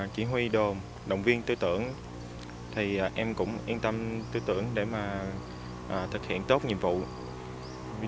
chỉ huy đồn động viên tư tưởng thì em cũng yên tâm tư tưởng để mà thực hiện tốt nhiệm vụ